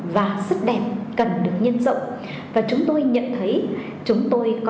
và rất là đáng kinh khủng